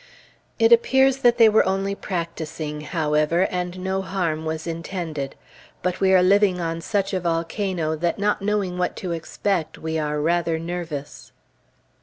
It appears that they were only practicing, however, and no harm was intended. But we are living on such a volcano, that, not knowing what to expect, we are rather nervous.